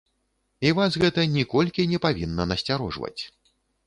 І вас гэта ніколькі не павінна насцярожваць.